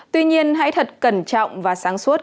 tuy nhiên hãy thật cẩn trọng và sáng suốt